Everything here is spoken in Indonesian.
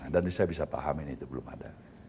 dan saya bisa paham ini itu belum ada